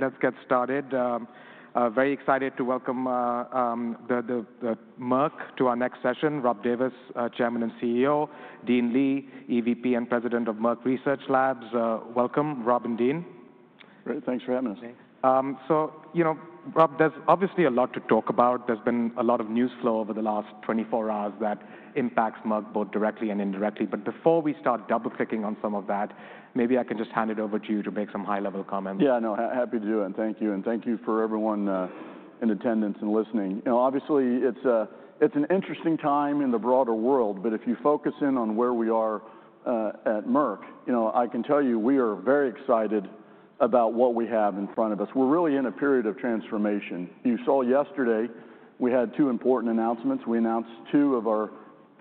Let's get started. Very excited to welcome Merck to our next session. Rob Davis, Chairman and CEO, Dean Li, EVP and President of Merck Research Labs. Welcome, Rob and Dean. Great. Thanks for having us. You know, Rob, there's obviously a lot to talk about. There's been a lot of news flow over the last 24 hours that impacts Merck both directly and indirectly. Before we start double-clicking on some of that, maybe I can just hand it over to you to make some high-level comments. Yeah, no, happy to do it. Thank you. Thank you for everyone in attendance and listening. You know, obviously, it's an interesting time in the broader world. If you focus in on where we are at Merck, you know, I can tell you we are very excited about what we have in front of us. We're really in a period of transformation. You saw yesterday we had two important announcements. We announced two of our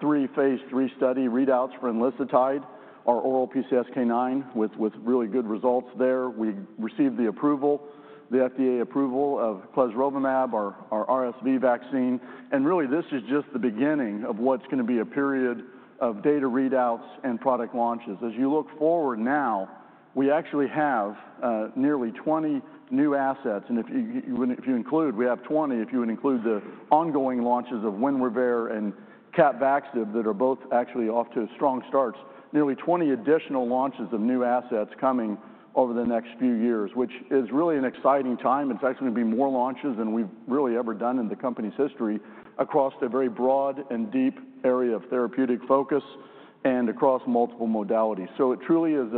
three phase three study readouts for Lissatide, our oral PCSK9, with really good results there. We received the FDA approval of Clesrovimab, our RSV vaccine. Really, this is just the beginning of what's going to be a period of data readouts and product launches. As you look forward now, we actually have nearly 20 new assets. If you include, we have 20, if you would include the ongoing launches of Winrevair and Capvaxive that are both actually off to strong starts, nearly 20 additional launches of new assets coming over the next few years, which is really an exciting time. It is actually going to be more launches than we have really ever done in the company's history across a very broad and deep area of therapeutic focus and across multiple modalities. It truly is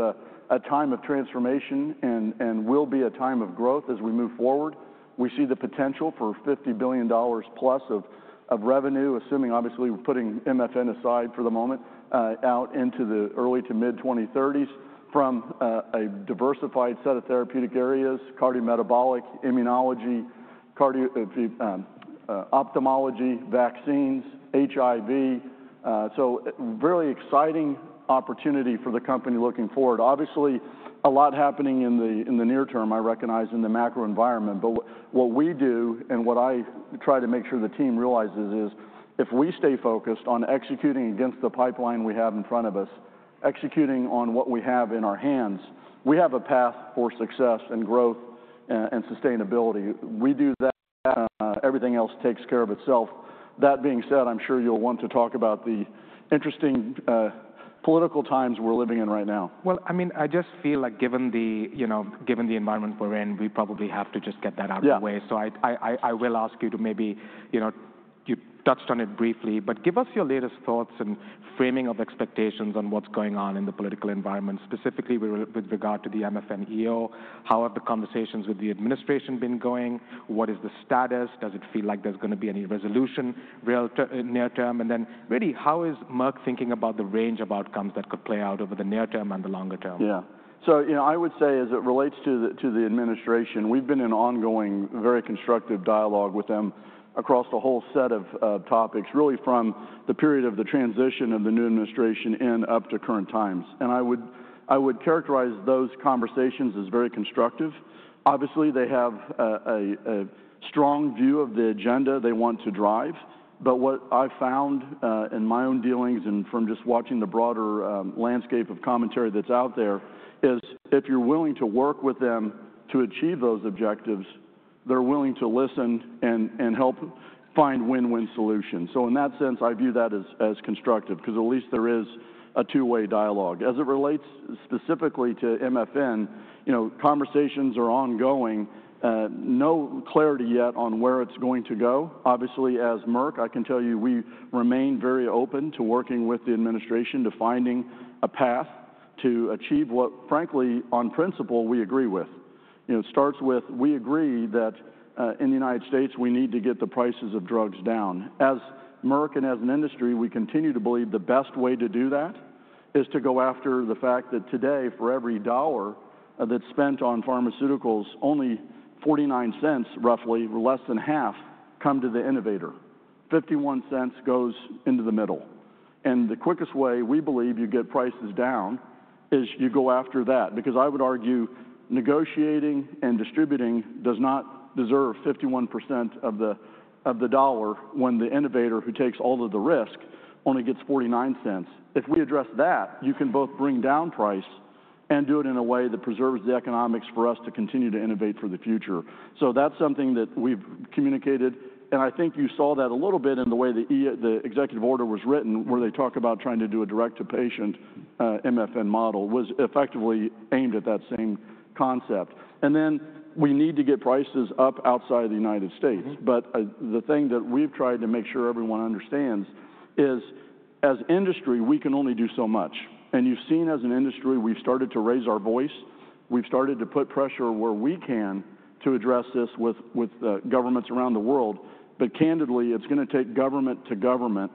a time of transformation and will be a time of growth as we move forward. We see the potential for $50 billion plus of revenue, assuming, obviously, we are putting MFN aside for the moment, out into the early to mid-2030s from a diversified set of therapeutic areas: cardiometabolic, immunology, ophthalmology, vaccines, HIV. A very exciting opportunity for the company looking forward. Obviously, a lot happening in the near term, I recognize, in the macro environment. What we do and what I try to make sure the team realizes is if we stay focused on executing against the pipeline we have in front of us, executing on what we have in our hands, we have a path for success and growth and sustainability. We do that. Everything else takes care of itself. That being said, I'm sure you'll want to talk about the interesting political times we're living in right now. I mean, I just feel like given the environment we're in, we probably have to just get that out of the way. I will ask you to maybe, you know, you touched on it briefly, but give us your latest thoughts and framing of expectations on what's going on in the political environment, specifically with regard to the MFN. How have the conversations with the administration been going? What is the status? Does it feel like there's going to be any resolution near term? And then really, how is Merck thinking about the range of outcomes that could play out over the near term and the longer term? Yeah. So, you know, I would say as it relates to the administration, we've been in ongoing, very constructive dialogue with them across a whole set of topics, really from the period of the transition of the new administration and up to current times. I would characterize those conversations as very constructive. Obviously, they have a strong view of the agenda they want to drive. What I found in my own dealings and from just watching the broader landscape of commentary that's out there is if you're willing to work with them to achieve those objectives, they're willing to listen and help find win-win solutions. In that sense, I view that as constructive because at least there is a two-way dialogue. As it relates specifically to MFN, you know, conversations are ongoing. No clarity yet on where it's going to go. Obviously, as Merck, I can tell you we remain very open to working with the administration to finding a path to achieve what, frankly, on principle, we agree with. You know, it starts with we agree that in the United States we need to get the prices of drugs down. As Merck and as an industry, we continue to believe the best way to do that is to go after the fact that today, for every dollar that's spent on pharmaceuticals, only 49 cents, roughly, or less than half, come to the innovator. 51 cents goes into the middle. The quickest way, we believe, you get prices down is you go after that. Because I would argue negotiating and distributing does not deserve 51% of the dollar when the innovator who takes all of the risk only gets 49 cents. If we address that, you can both bring down price and do it in a way that preserves the economics for us to continue to innovate for the future. That is something that we have communicated. I think you saw that a little bit in the way the executive order was written, where they talk about trying to do a direct-to-patient MFN model, which was effectively aimed at that same concept. We need to get prices up outside of the United States. The thing that we have tried to make sure everyone understands is as industry, we can only do so much. You have seen as an industry, we have started to raise our voice. We have started to put pressure where we can to address this with governments around the world. Candidly, it is going to take government-to-government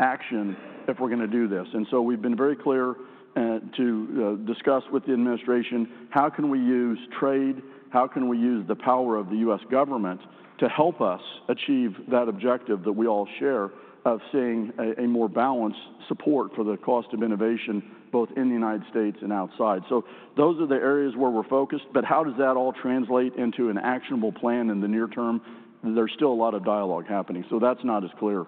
action if we are going to do this. We have been very clear to discuss with the administration how can we use trade, how can we use the power of the U.S. government to help us achieve that objective that we all share of seeing a more balanced support for the cost of innovation both in the United States and outside. Those are the areas where we are focused. How does that all translate into an actionable plan in the near term? There is still a lot of dialogue happening. That is not as clear.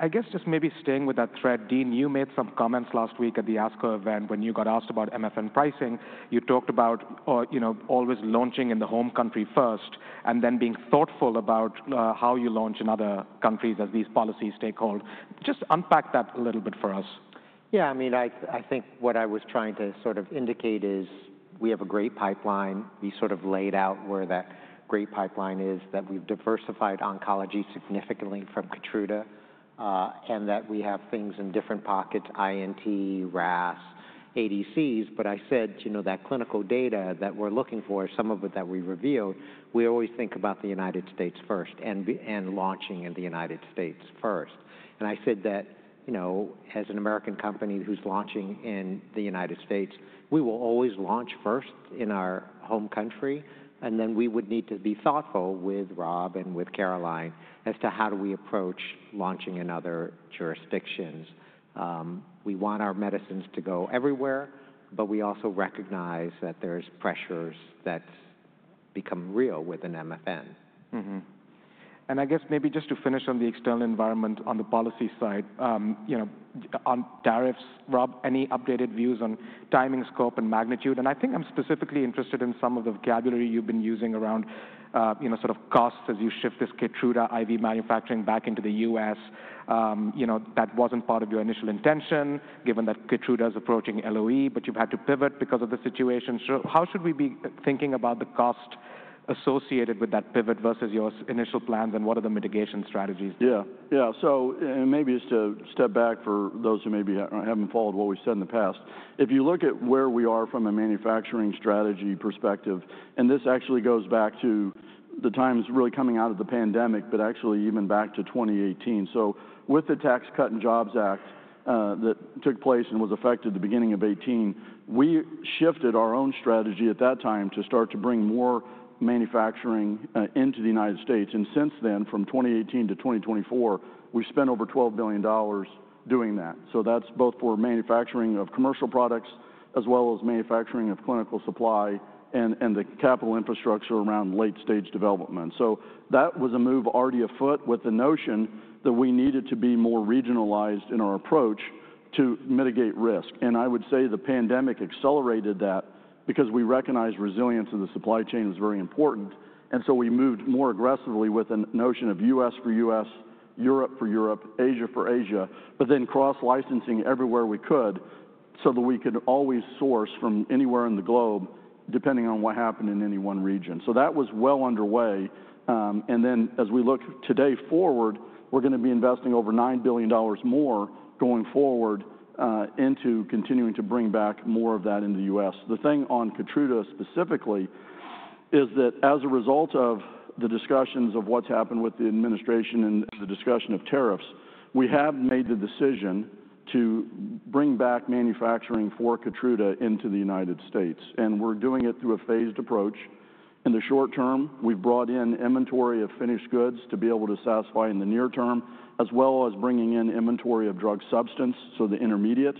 I guess just maybe staying with that thread, Dean, you made some comments last week at the ASCO event. When you got asked about MFN pricing, you talked about always launching in the home country first and then being thoughtful about how you launch in other countries as these policy stakeholders. Just unpack that a little bit for us. Yeah, I mean, I think what I was trying to sort of indicate is we have a great pipeline. We sort of laid out where that great pipeline is, that we've diversified oncology significantly from Keytruda and that we have things in different pockets: INT, RAS, ADCs. I said, you know, that clinical data that we're looking for, some of it that we revealed, we always think about the United States first and launching in the United States first. I said that, you know, as an American company who's launching in the United States, we will always launch first in our home country. We would need to be thoughtful with Rob and with Caroline as to how do we approach launching in other jurisdictions. We want our medicines to go everywhere, but we also recognize that there's pressures that become real with an MFN. I guess maybe just to finish on the external environment on the policy side, you know, on tariffs, Rob, any updated views on timing, scope, and magnitude? I think I'm specifically interested in some of the vocabulary you've been using around, you know, sort of costs as you shift this Keytruda IV manufacturing back into the U.S. You know, that wasn't part of your initial intention, given that Keytruda is approaching LOE, but you've had to pivot because of the situation. How should we be thinking about the cost associated with that pivot versus your initial plans and what are the mitigation strategies? Yeah, yeah. Maybe just to step back for those who maybe haven't followed what we said in the past. If you look at where we are from a manufacturing strategy perspective, and this actually goes back to the times really coming out of the pandemic, but actually even back to 2018. With the Tax Cut and Jobs Act that took place and was effective the beginning of 2018, we shifted our own strategy at that time to start to bring more manufacturing into the United States. Since then, from 2018 to 2024, we've spent over $12 billion doing that. That is both for manufacturing of commercial products as well as manufacturing of clinical supply and the capital infrastructure around late-stage development. That was a move already afoot with the notion that we needed to be more regionalized in our approach to mitigate risk. I would say the pandemic accelerated that because we recognized resilience in the supply chain was very important. We moved more aggressively with a notion of U.S. for U.S., Europe for Europe, Asia for Asia, but then cross-licensing everywhere we could so that we could always source from anywhere in the globe, depending on what happened in any one region. That was well underway. As we look today forward, we are going to be investing over $9 billion more going forward into continuing to bring back more of that in the U.S. The thing on Keytruda specifically is that as a result of the discussions of what has happened with the administration and the discussion of tariffs, we have made the decision to bring back manufacturing for Keytruda into the United States. We are doing it through a phased approach. In the short term, we've brought in inventory of finished goods to be able to satisfy in the near term, as well as bringing in inventory of drug substance, so the intermediate.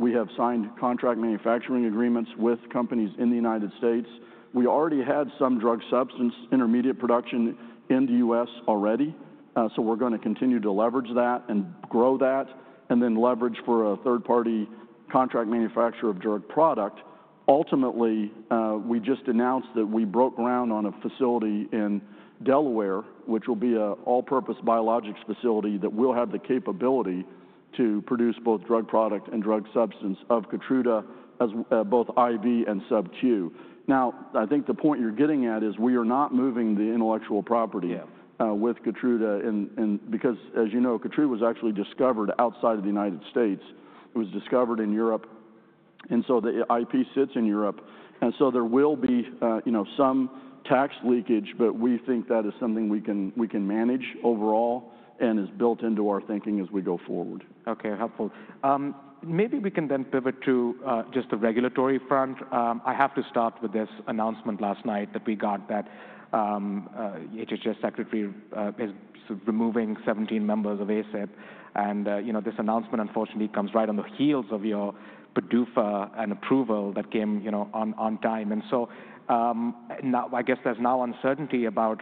We have signed contract manufacturing agreements with companies in the United States. We already had some drug substance intermediate production in the U.S. already. We're going to continue to leverage that and grow that and then leverage for a third-party contract manufacturer of drug product. Ultimately, we just announced that we broke ground on a facility in Delaware, which will be an all-purpose biologics facility that will have the capability to produce both drug product and drug substance of Keytruda, both IV and subq. I think the point you're getting at is we are not moving the intellectual property with Keytruda because, as you know, Keytruda was actually discovered outside of the United States. It was discovered in Europe. The IP sits in Europe. There will be, you know, some tax leakage, but we think that is something we can manage overall and is built into our thinking as we go forward. Okay, helpful. Maybe we can then pivot to just the regulatory front. I have to start with this announcement last night that we got that HHS Secretary is removing 17 members of ACIP. You know, this announcement, unfortunately, comes right on the heels of your PDUFA and approval that came, you know, on time. Now I guess there's now uncertainty about,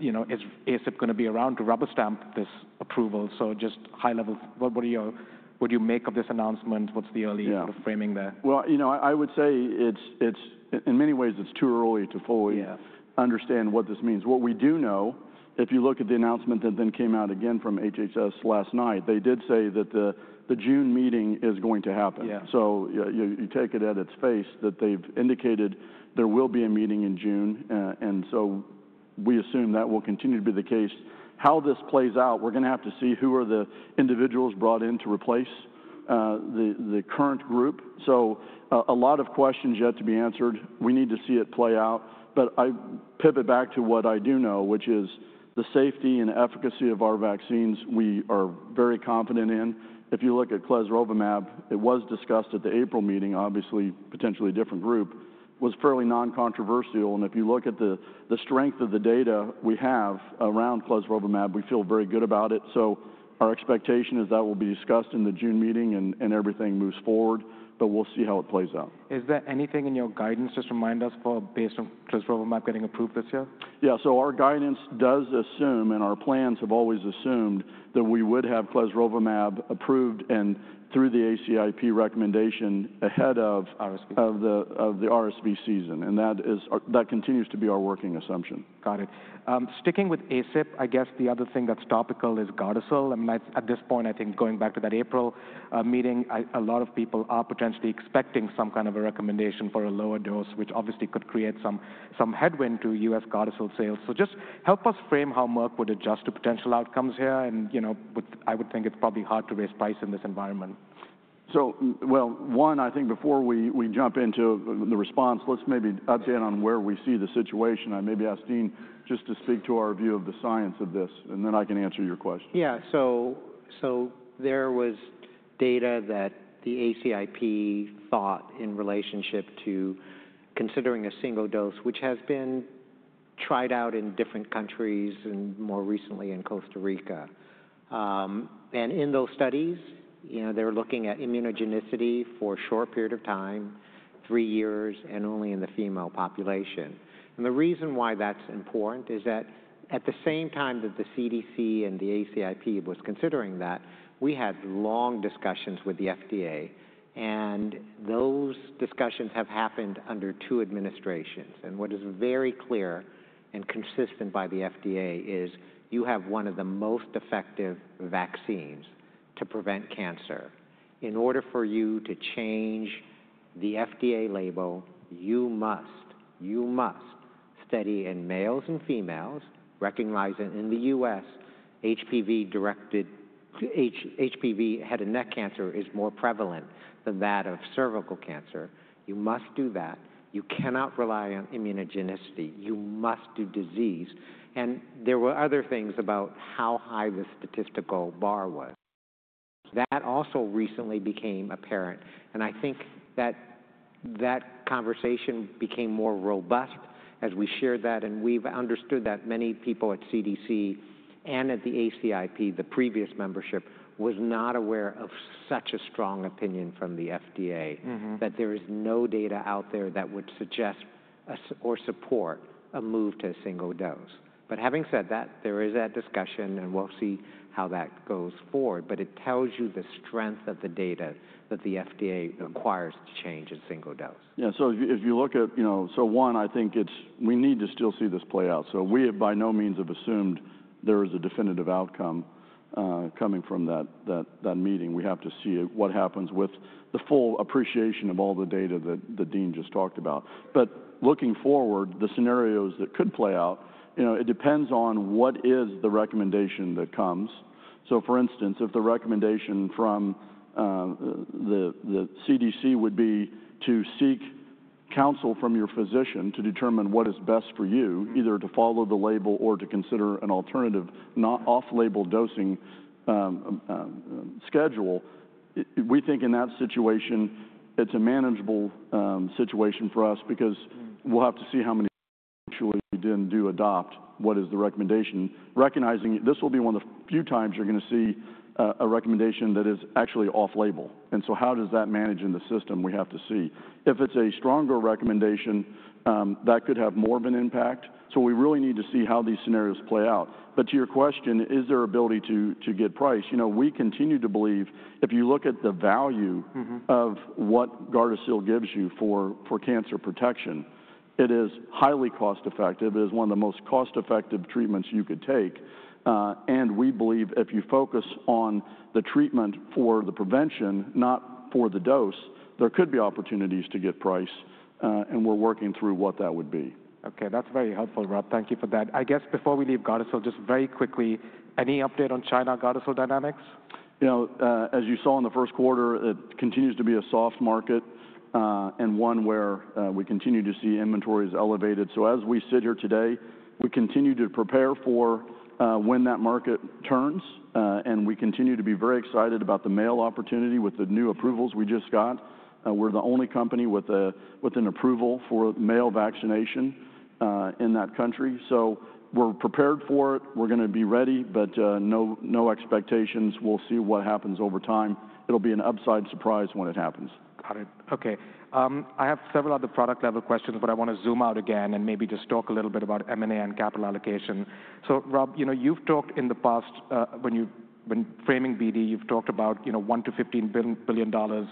you know, is ACIP going to be around to rubber stamp this approval? Just high level, what do you make of this announcement? What's the early framing there? I would say it's, in many ways, it's too early to fully understand what this means. What we do know, if you look at the announcement that then came out again from HHS last night, they did say that the June meeting is going to happen. You take it at its face that they've indicated there will be a meeting in June. We assume that will continue to be the case. How this plays out, we're going to have to see who are the individuals brought in to replace the current group. A lot of questions yet to be answered. We need to see it play out. I pivot back to what I do know, which is the safety and efficacy of our vaccines we are very confident in. If you look at Clesrovimab, it was discussed at the April meeting, obviously, potentially a different group, was fairly non-controversial. If you look at the strength of the data we have around Clesrovimab, we feel very good about it. Our expectation is that will be discussed in the June meeting and everything moves forward. We'll see how it plays out. Is there anything in your guidance to remind us for based on Clesrovimab, getting approved this year? Yeah, so our guidance does assume, and our plans have always assumed that we would have Clesrovimab, approved and through the ACIP recommendation ahead of the RSV season. That continues to be our working assumption. Got it. Sticking with ACIP, I guess the other thing that's topical is Gardasil. I mean, at this point, I think going back to that April meeting, a lot of people are potentially expecting some kind of a recommendation for a lower dose, which obviously could create some headwind to U.S. Gardasil sales. Just help us frame how Merck would adjust to potential outcomes here. You know, I would think it's probably hard to raise price in this environment. One, I think before we jump into the response, let's maybe update on where we see the situation. I maybe ask Dean just to speak to our view of the science of this, and then I can answer your question. Yeah, so there was data that the ACIP thought in relationship to considering a single dose, which has been tried out in different countries and more recently in Costa Rica. In those studies, you know, they're looking at immunogenicity for a short period of time, three years, and only in the female population. The reason why that's important is that at the same time that the CDC and the ACIP was considering that, we had long discussions with the FDA. Those discussions have happened under two administrations. What is very clear and consistent by the FDA is you have one of the most effective vaccines to prevent cancer. In order for you to change the FDA label, you must, you must study in males and females, recognize that in the U.S., HPV-head and neck cancer is more prevalent than that of cervical cancer. You must do that. You cannot rely on immunogenicity. You must do disease. There were other things about how high the statistical bar was. That also recently became apparent. I think that conversation became more robust as we shared that. We've understood that many people at CDC and at the ACIP, the previous membership, were not aware of such a strong opinion from the FDA that there is no data out there that would suggest or support a move to a single dose. Having said that, there is that discussion, and we'll see how that goes forward. It tells you the strength of the data that the FDA requires to change a single dose. Yeah, so if you look at, you know, so one, I think it's we need to still see this play out. We have by no means assumed there is a definitive outcome coming from that meeting. We have to see what happens with the full appreciation of all the data that Dean just talked about. Looking forward, the scenarios that could play out, you know, it depends on what is the recommendation that comes. For instance, if the recommendation from the CDC would be to seek counsel from your physician to determine what is best for you, either to follow the label or to consider an alternative off-label dosing schedule, we think in that situation it's a manageable situation for us because we'll have to see how many actually do adopt what is the recommendation, recognizing this will be one of the few times you're going to see a recommendation that is actually off-label. How does that manage in the system? We have to see. If it's a stronger recommendation, that could have more of an impact. We really need to see how these scenarios play out. To your question, is there ability to get price? You know, we continue to believe if you look at the value of what Gardasil gives you for cancer protection, it is highly cost-effective. It is one of the most cost-effective treatments you could take. We believe if you focus on the treatment for the prevention, not for the dose, there could be opportunities to get price. We are working through what that would be. Okay, that's very helpful, Rob. Thank you for that. I guess before we leave Gardasil, just very quickly, any update on China Gardasil dynamics? You know, as you saw in the first quarter, it continues to be a soft market and one where we continue to see inventories elevated. As we sit here today, we continue to prepare for when that market turns. We continue to be very excited about the male opportunity with the new approvals we just got. We're the only company with an approval for male vaccination in that country. We are prepared for it. We're going to be ready, but no expectations. We'll see what happens over time. It'll be an upside surprise when it happens. Got it. Okay. I have several other product-level questions, but I want to zoom out again and maybe just talk a little bit about M&A and capital allocation. Rob, you know, you've talked in the past, when you're framing BD, you've talked about, you know, $1 to $15 billion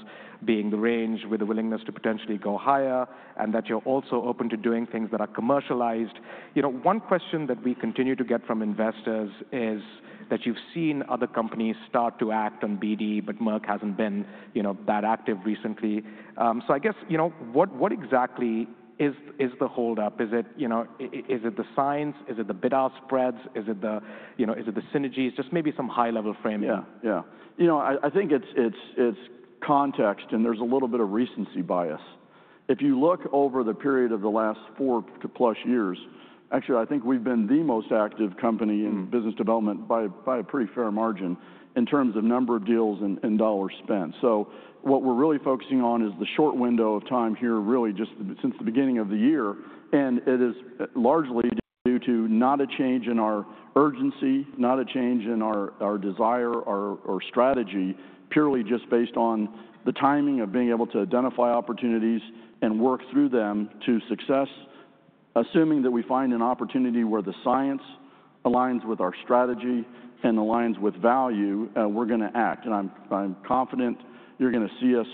being the range with a willingness to potentially go higher and that you're also open to doing things that are commercialized. One question that we continue to get from investors is that you've seen other companies start to act on BD, but Merck hasn't been, you know, that active recently. I guess, you know, what exactly is the holdup? Is it, you know, is it the science? Is it the bid-out spreads? Is it the, you know, is it the synergies? Just maybe some high-level framing. Yeah, yeah. You know, I think it's context, and there's a little bit of recency bias. If you look over the period of the last four plus years, actually, I think we've been the most active company in business development by a pretty fair margin in terms of number of deals and dollars spent. What we're really focusing on is the short window of time here, really just since the beginning of the year. It is largely due to not a change in our urgency, not a change in our desire or strategy, purely just based on the timing of being able to identify opportunities and work through them to success. Assuming that we find an opportunity where the science aligns with our strategy and aligns with value, we're going to act. I'm confident you're going to see us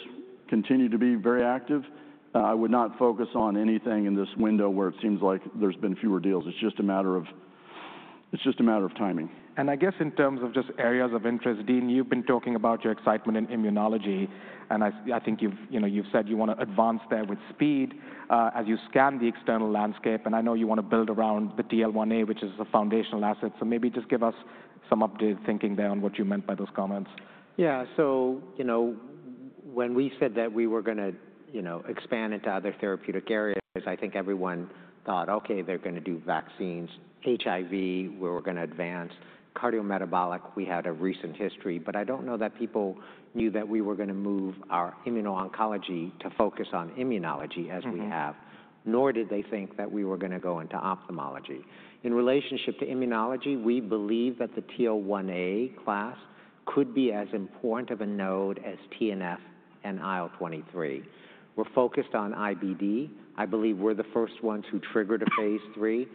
continue to be very active. I would not focus on anything in this window where it seems like there's been fewer deals. It's just a matter of timing. I guess in terms of just areas of interest, Dean, you've been talking about your excitement in immunology. I think you've, you know, you've said you want to advance there with speed as you scan the external landscape. I know you want to build around the TL1A, which is a foundational asset. Maybe just give us some updated thinking there on what you meant by those comments. Yeah, so, you know, when we said that we were going to, you know, expand into other therapeutic areas, I think everyone thought, okay, they're going to do vaccines, HIV, we're going to advance, cardiometabolic, we had a recent history. I don't know that people knew that we were going to move our immuno-oncology to focus on immunology as we have, nor did they think that we were going to go into ophthalmology. In relationship to immunology, we believe that the TL1A class could be as important of a node as TNF and IL-23. We're focused on IBD. I believe we're the first ones who triggered a phase three.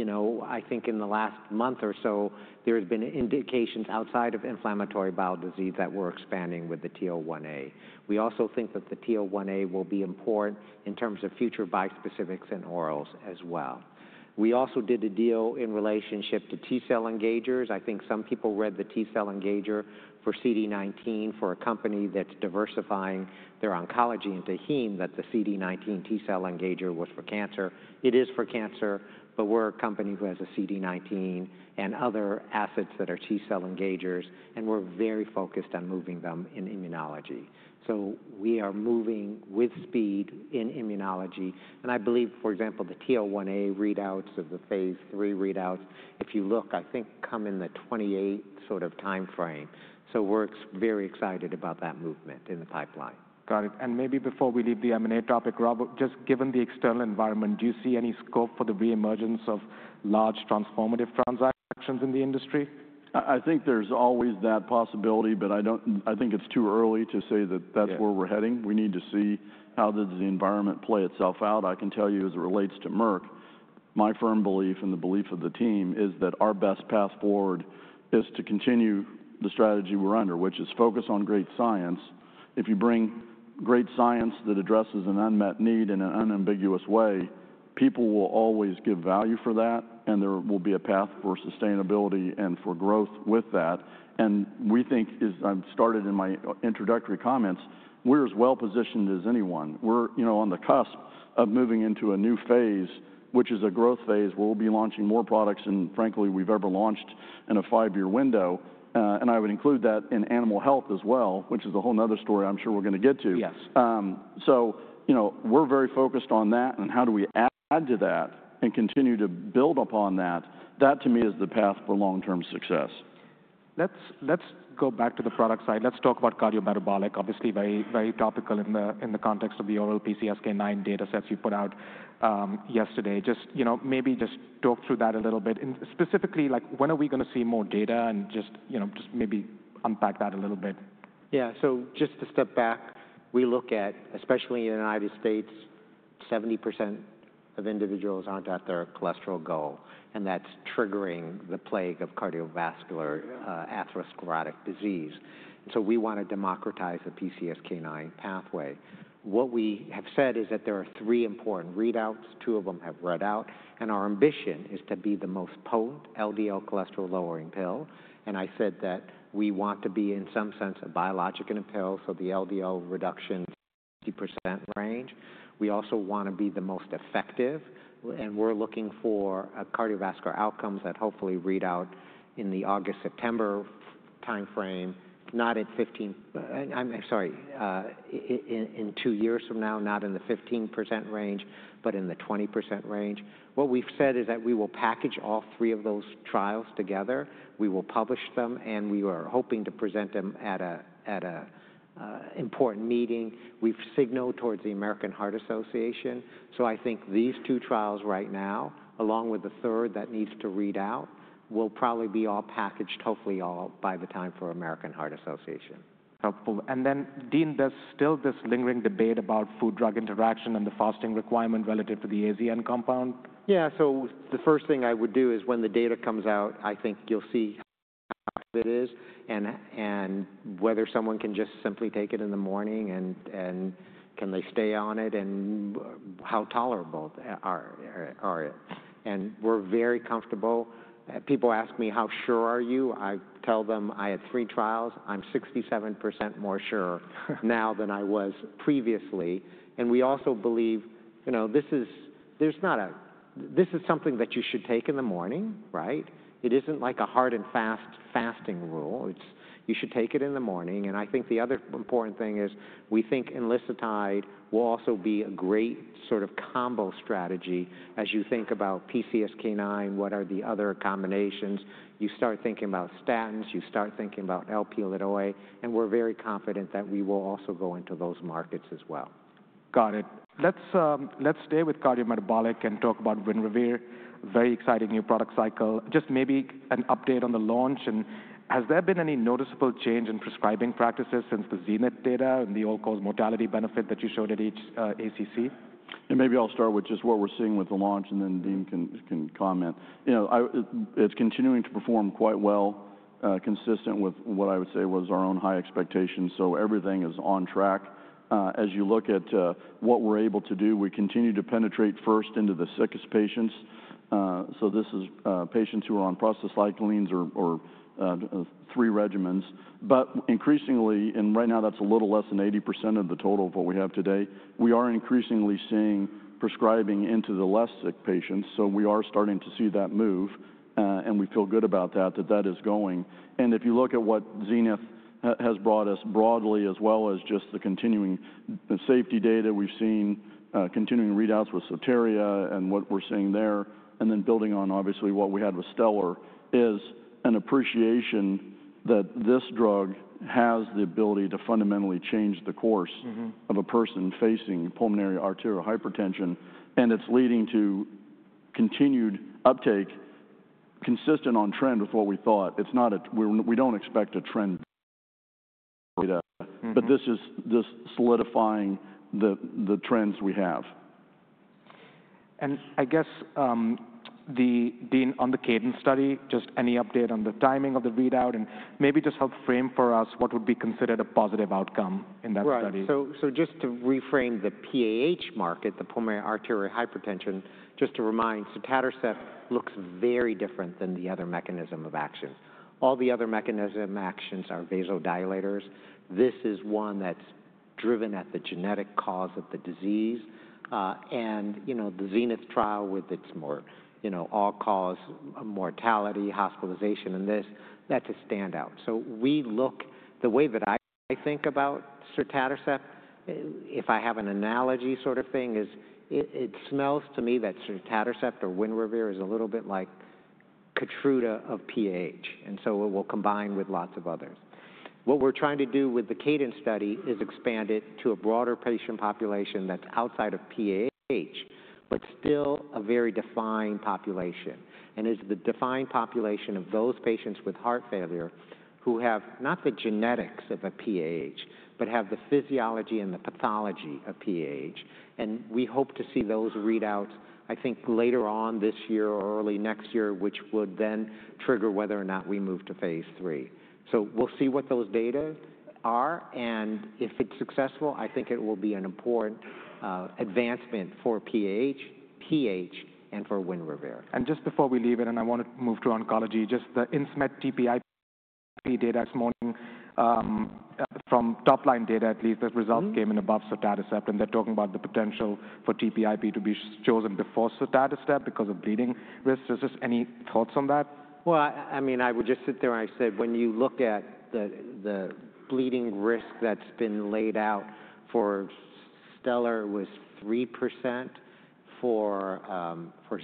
You know, I think in the last month or so, there have been indications outside of inflammatory bowel disease that we're expanding with the TL1A. We also think that the TL1A will be important in terms of future bispecifics and orals as well. We also did a deal in relationship to T-cell engagers. I think some people read the T-cell engager for CD19 for a company that's diversifying their oncology into heme that the CD19 T-cell engager was for cancer. It is for cancer, but we're a company who has a CD19 and other assets that are T-cell engagers. We're very focused on moving them in immunology. We are moving with speed in immunology. I believe, for example, the TL1A readouts of the phase three readouts, if you look, I think come in the 2028 sort of time frame. We're very excited about that movement in the pipeline. Got it. Maybe before we leave the M&A topic, Rob, just given the external environment, do you see any scope for the reemergence of large transformative transactions in the industry? I think there's always that possibility, but I don't think it's too early to say that that's where we're heading. We need to see how does the environment play itself out. I can tell you as it relates to Merck, my firm belief and the belief of the team is that our best path forward is to continue the strategy we're under, which is focus on great science. If you bring great science that addresses an unmet need in an unambiguous way, people will always give value for that. There will be a path for sustainability and for growth with that. I think, as I started in my introductory comments, we're as well positioned as anyone. We're, you know, on the cusp of moving into a new phase, which is a growth phase where we'll be launching more products than, frankly, we've ever launched in a five-year window. I would include that in animal health as well, which is a whole nother story I'm sure we're going to get to. You know, we're very focused on that. How do we add to that and continue to build upon that? That, to me, is the path for long-term success. Let's go back to the product side. Let's talk about cardiometabolic, obviously very topical in the context of the oral PCSK9 data sets you put out yesterday. Just, you know, maybe just talk through that a little bit. Specifically, like, when are we going to see more data and just, you know, just maybe unpack that a little bit? Yeah, just to step back, we look at, especially in the United States, 70% of individuals are not at their cholesterol goal. That is triggering the plague of cardiovascular atherosclerotic disease. We want to democratize the PCSK9 pathway. What we have said is that there are three important readouts. Two of them have read out. Our ambition is to be the most potent LDL cholesterol-lowering pill. I said that we want to be, in some sense, a biologic in a pill. The LDL reduction is in the 50% range. We also want to be the most effective. We are looking for cardiovascular outcomes that hopefully read out in the August-September time frame, not in fifteen, I am sorry, in two years from now, not in the 15% range, but in the 20% range. What we have said is that we will package all three of those trials together. We will publish them. We are hoping to present them at an important meeting. We have signaled towards the American Heart Association. I think these two trials right now, along with the third that needs to read out, will probably be all packaged, hopefully all by the time for American Heart Association. Helpful. Dean, there's still this lingering debate about food-drug interaction and the fasting requirement relative to the AZN compound. Yeah, the first thing I would do is when the data comes out, I think you'll see how it is and whether someone can just simply take it in the morning and can they stay on it and how tolerable are it. We're very comfortable. People ask me, how sure are you? I tell them I had three trials. I'm 67% more sure now than I was previously. We also believe, you know, this is, there's not a, this is something that you should take in the morning, right? It isn't like a hard and fast fasting rule. You should take it in the morning. I think the other important thing is we think enlisted tide will also be a great sort of combo strategy as you think about PCSK9, what are the other combinations. You start thinking about statins, you start thinking about Lp(a). We are very confident that we will also go into those markets as well. Got it. Let's stay with cardiometabolic and talk about Winrevair, very exciting new product cycle. Just maybe an update on the launch. Has there been any noticeable change in prescribing practices since the Zenith data and the all-cause mortality benefit that you showed at each ACC? Maybe I'll start with just what we're seeing with the launch and then Dean can comment. You know, it's continuing to perform quite well, consistent with what I would say was our own high expectations. Everything is on track. As you look at what we're able to do, we continue to penetrate first into the sickest patients. This is patients who are on prostacyclines or three regimens. Right now that's a little less than 80% of the total of what we have today. We are increasingly seeing prescribing into the less sick patients. We are starting to see that move. We feel good about that, that that is going. If you look at what Zenith has brought us broadly, as well as just the continuing safety data, we've seen continuing readouts with Soteria and what we're seeing there. Then building on obviously what we had with Stellar is an appreciation that this drug has the ability to fundamentally change the course of a person facing pulmonary arterial hypertension. It is leading to continued uptake, consistent on trend with what we thought. It is not a, we do not expect a trend data, but this is just solidifying the trends we have. Dean, on the Cadence study, just any update on the timing of the readout and maybe just help frame for us what would be considered a positive outcome in that study? Right. So just to reframe the PAH market, the pulmonary arterial hypertension, just to remind, sotatercept looks very different than the other mechanism of action. All the other mechanism actions are vasodilators. This is one that's driven at the genetic cause of the disease. And, you know, the Zenith trial with its more, you know, all-cause mortality, hospitalization and this, that's a standout. We look, the way that I think about sotatercept, if I have an analogy sort of thing, is it smells to me that sotatercept or Winrevair is a little bit like Keytruda of PAH. It will combine with lots of others. What we're trying to do with the Cadence study is expand it to a broader patient population that's outside of PAH, but still a very defined population. It is the defined population of those patients with heart failure who have not the genetics of a PAH, but have the physiology and the pathology of PAH. We hope to see those readouts, I think later on this year or early next year, which would then trigger whether or not we move to phase three. We will see what those data are. If it is successful, I think it will be an important advancement for PAH and for Winrevair. Just before we leave it, I want to move to oncology. Just the in-smart TPIP data this morning from top line data at least, the results came in above sotatercept. And they're talking about the potential for TPIP to be chosen before sotatercept because of bleeding risk. Is this any thoughts on that? I mean, I would just sit there and I said when you look at the bleeding risk that's been laid out for Stellar was 3% for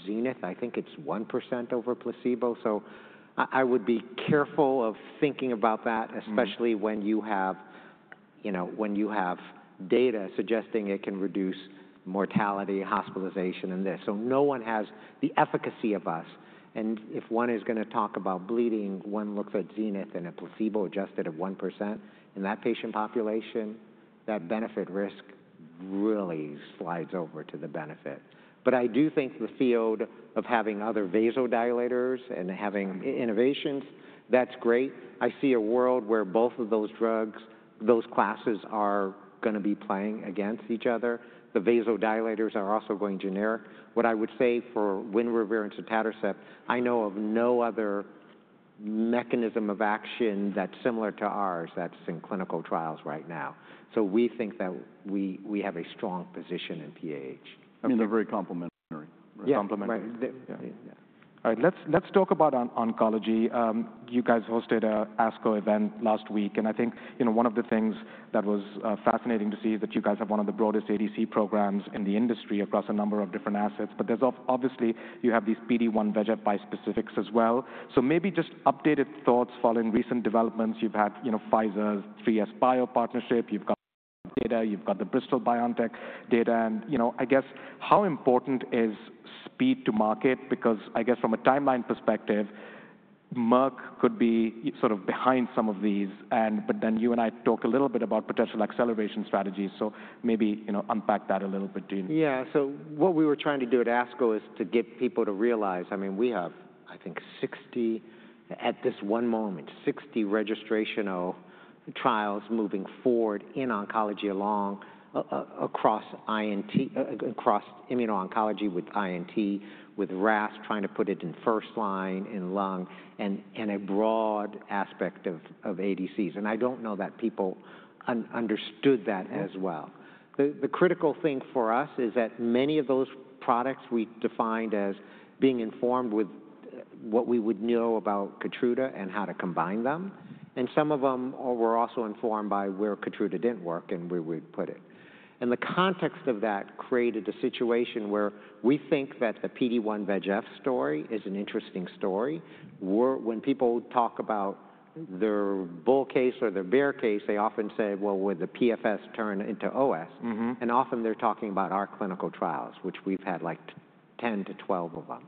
Zenith. I think it's 1% over placebo. I would be careful of thinking about that, especially when you have, you know, when you have data suggesting it can reduce mortality, hospitalization and this. No one has the efficacy of us. If one is going to talk about bleeding, one looks at Zenith and a placebo adjusted at 1%. In that patient population, that benefit risk really slides over to the benefit. I do think the field of having other vasodilators and having innovations, that's great. I see a world where both of those drugs, those classes are going to be playing against each other. The vasodilators are also going generic. What I would say for Winrevair and sotatercept, I know of no other mechanism of action that's similar to ours that's in clinical trials right now. So we think that we have a strong position in PAH. I mean, they're very complementary. Yeah. All right. Let's talk about oncology. You guys hosted an ASCO event last week. And I think, you know, one of the things that was fascinating to see is that you guys have one of the broadest ADC programs in the industry across a number of different assets. But there's obviously, you have these PD-1 VEGF bispecifics as well. So maybe just updated thoughts following recent developments. You've had, you know, Pfizer's 3SBio partnership. You've got data. You've got the Bristol BioNTech data. And, you know, I guess how important is speed to market? Because I guess from a timeline perspective, Merck could be sort of behind some of these. And but then you and I talk a little bit about potential acceleration strategies. So maybe, you know, unpack that a little bit, Dean. Yeah. What we were trying to do at ASCO is to get people to realize, I mean, we have, I think, 60 at this one moment, 60 registrational trials moving forward in oncology across INT, across immuno-oncology with INT, with RAS, trying to put it in first line in lung and a broad aspect of ADCs. I do not know that people understood that as well. The critical thing for us is that many of those products we defined as being informed with what we would know about Keytruda and how to combine them. Some of them were also informed by where Keytruda did not work and we would put it. The context of that created a situation where we think that the PD-1/VEGF story is an interesting story. When people talk about their bull case or their bear case, they often say, well, would the PFS turn into OS? And often they're talking about our clinical trials, which we've had like 10 to 12 of them.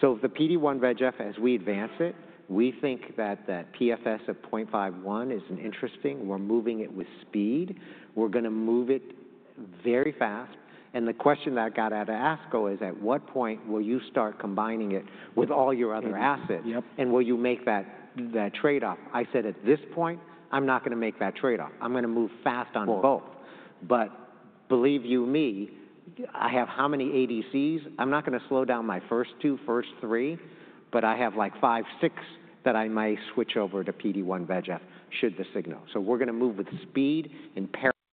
So the PD-1 VEGF, as we advance it, we think that that PFS of 0.51 is an interesting, we're moving it with speed. We're going to move it very fast. The question that I got out of ASCO is at what point will you start combining it with all your other assets? And will you make that trade-off? I said at this point, I'm not going to make that trade-off. I'm going to move fast on both. But believe you me, I have how many ADCs? I'm not going to slow down my first two, first three, but I have like five, six that I might switch over to PD-1 VEGF should the signal. We are going to move with speed in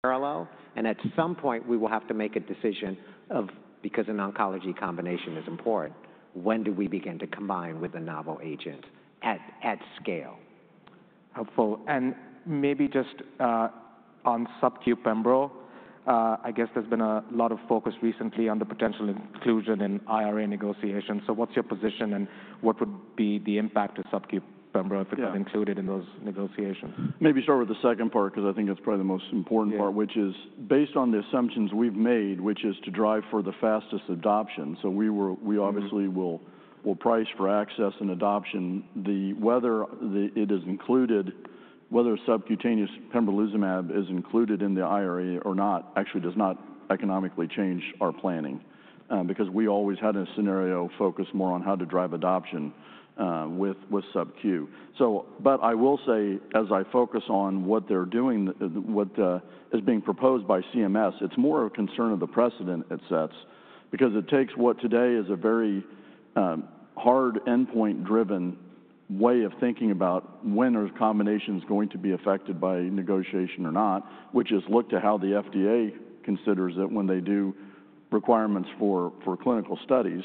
parallel. At some point, we will have to make a decision of, because an oncology combination is important, when do we begin to combine with a novel agent at scale? Helpful. Maybe just on subQ Pembro, I guess there's been a lot of focus recently on the potential inclusion in IRA negotiations. What's your position and what would be the impact of subQ Pembro if it was included in those negotiations? Maybe start with the second part, because I think it's probably the most important part, which is based on the assumptions we've made, which is to drive for the fastest adoption. We obviously will price for access and adoption. Whether it is included, whether subcutaneous pembrolizumab is included in the IRA or not actually does not economically change our planning. We always had a scenario focused more on how to drive adoption with subQ. I will say, as I focus on what they're doing, what is being proposed by CMS, it's more a concern of the precedent it sets. Because it takes what today is a very hard endpoint-driven way of thinking about when are combinations going to be affected by negotiation or not, which is looked at how the FDA considers it when they do requirements for clinical studies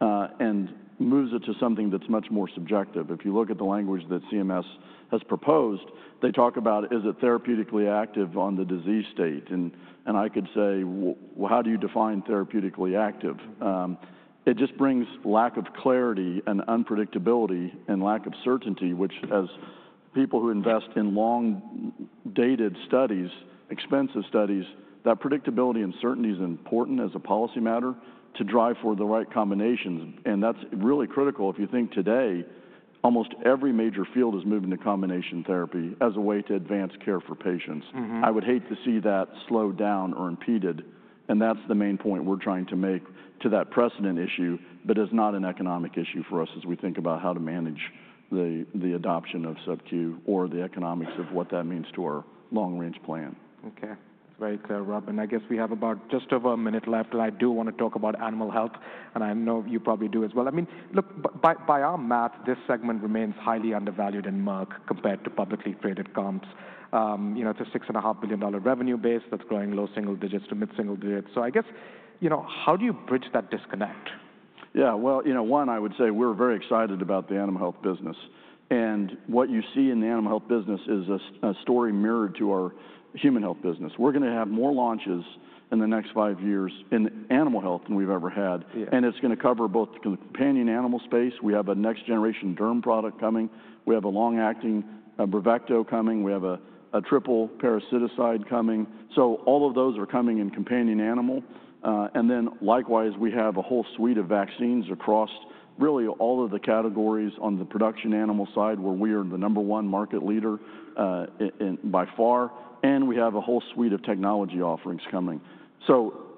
and moves it to something that's much more subjective. If you look at the language that CMS has proposed, they talk about, is it therapeutically active on the disease state? And I could say, well, how do you define therapeutically active? It just brings lack of clarity and unpredictability and lack of certainty, which as people who invest in long-dated studies, expensive studies, that predictability and certainty is important as a policy matter to drive for the right combinations. That's really critical. If you think today, almost every major field is moving to combination therapy as a way to advance care for patients. I would hate to see that slowed down or impeded. That is the main point we're trying to make to that precedent issue, but it's not an economic issue for us as we think about how to manage the adoption of subQ or the economics of what that means to our long-range plan. Okay. Very clear, Rob. I guess we have about just over a minute left. I do want to talk about animal health. I know you probably do as well. I mean, look, by our math, this segment remains highly undervalued in Merck compared to publicly traded comps. You know, it is a $6.5 billion revenue base that is growing low single digits to mid single digits. I guess, you know, how do you bridge that disconnect? Yeah, you know, one, I would say we're very excited about the animal health business. What you see in the animal health business is a story mirrored to our human health business. We're going to have more launches in the next five years in animal health than we've ever had. It's going to cover both the companion animal space. We have a next generation derm product coming. We have a long-acting Brevecto coming. We have a triple parasiticide coming. All of those are coming in companion animal. Likewise, we have a whole suite of vaccines across really all of the categories on the production animal side where we are the number one market leader by far. We have a whole suite of technology offerings coming.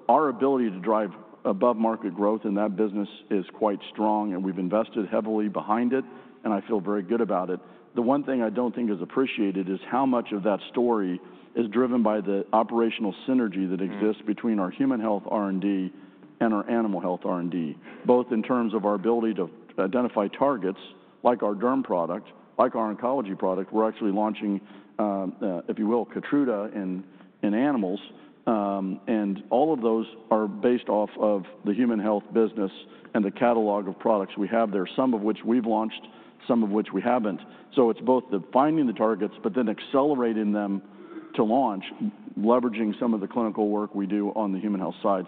Our ability to drive above market growth in that business is quite strong. We have invested heavily behind it. I feel very good about it. The one thing I do not think is appreciated is how much of that story is driven by the operational synergy that exists between our human health R&D and our animal health R&D, both in terms of our ability to identify targets like our derm product, like our oncology product. We are actually launching, if you will, Keytruda in animals. All of those are based off of the human health business and the catalog of products we have there, some of which we have launched, some of which we have not. It is both the finding the targets, but then accelerating them to launch, leveraging some of the clinical work we do on the human health side.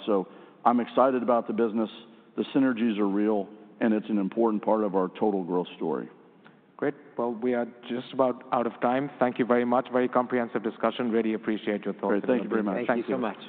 I am excited about the business. The synergies are real. It is an important part of our total growth story. Great. We are just about out of time. Thank you very much. Very comprehensive discussion. Really appreciate your thoughts. Great. Thank you very much. Thank you so much.